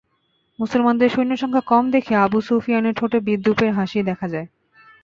মুসলমানদের সৈন্য সংখ্যা কম দেখে আবু সুফিয়ানের ঠোঁটে বিদ্রুপের হাসি দেখা যায়।